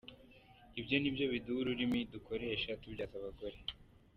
Ibyo ni byo biduha urumuri dukoresha tubyaza abagore.